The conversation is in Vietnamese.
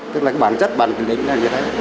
tức là cái bản chất bản lĩnh là như thế